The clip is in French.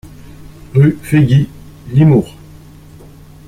Rue Fegui, Limours